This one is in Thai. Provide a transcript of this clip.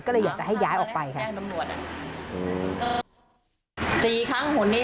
ก็เลยอยากจะให้ย้ายออกไปค่ะ